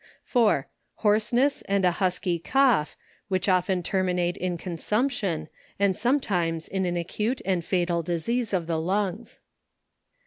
*. Hoarseness, and a husky cough, which often ter minate in consumption, and sometimes in an acute and fatal disease of the lungs.